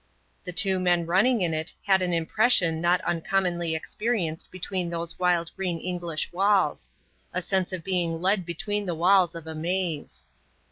The two men running in it had an impression not uncommonly experienced between those wild green English walls; a sense of being led between the walls of a maze.